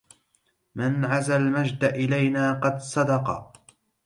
من عزا المجد إلينا قد صدق